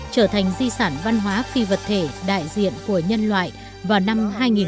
trở thành di sản văn hóa phi vật thể đại diện của nhân loại vào năm hai nghìn một mươi